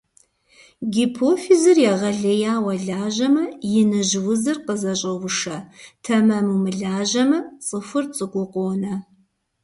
Гипофизыр егъэлеяуэ лажьэмэ, иныжь узыр къызэщӀоушэ, тэмэму мылажьэмэ - цӀыхур цӀыкӀуу къонэ.